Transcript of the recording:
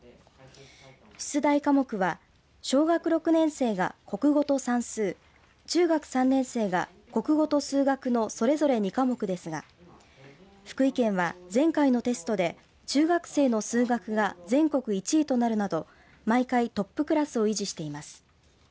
出題科目は小学６年生が国語と算数中学３年生が国語と数学のそれぞれ２科目ですが福井県は前回のテストで中学生の数学が全国１位となるなど毎回トップクラスを維持しています。